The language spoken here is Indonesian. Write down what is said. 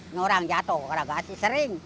norang jatuh ke ragasi sering